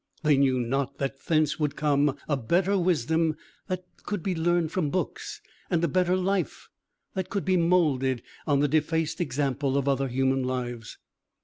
They knew not that thence would come a better wisdom than could be learned from books, and a better life than could be moulded on the defaced example of other human lives.